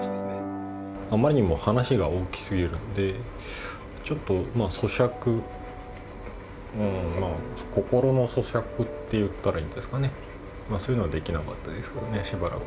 あまりにも話が大きすぎるんで、ちょっとそしゃく、心のそしゃくって言ったらいいんですかね、そういうのができなかったですよね、しばらく。